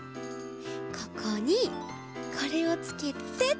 ここにこれをつけてっと。